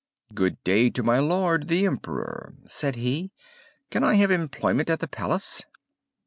"Good day to my lord, the Emperor!" said he. "Can I have employment at the palace?"